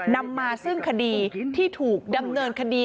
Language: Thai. นำมาซึ่งคดีที่ถูกดำเนินคดี